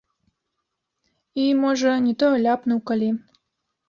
І, можа, не тое ляпнуў калі.